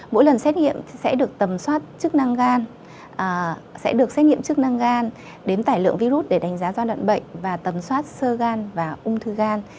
mỗi lần xét nghiệm sẽ được tầm soát chức năng gan sẽ được xét nghiệm chức năng gan đến tải lượng virus để đánh giá gian lận bệnh và tầm soát sơ gan và ung thư gan